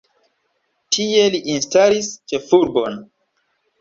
Tie li instalis ĉefurbon.